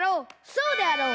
そうであろう！